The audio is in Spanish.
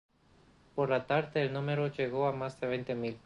Por la tarde el número llegó a más de veinte mil.